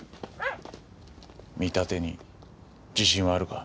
見立てに自信はあるか？